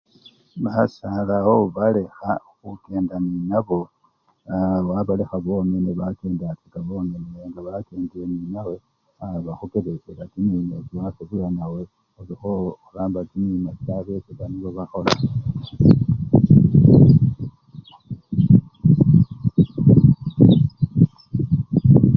Masale bowo obalekha khukenda nenabo, aa! wabalekha bakenda bongene nenga bakendele nenawe bakhulekela kimima ekyo byakhutuya nga nawe okhoramba kimimekyo ebe nibo kyebakhola.